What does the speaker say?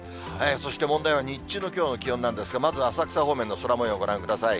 そして問題は日中のきょうの気温なんですが、まず、浅草方面の空もよう、ご覧ください。